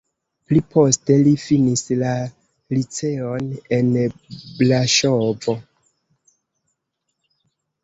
Pli poste li finis la liceon en Braŝovo.